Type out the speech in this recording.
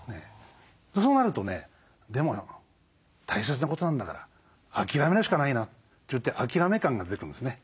そうなるとねでも大切なことなんだから諦めるしかないなといって諦め感が出てくるんですね。